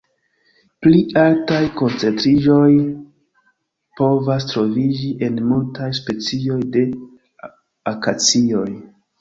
Pli altaj koncentriĝoj povas troviĝi en multaj specioj de akacioj.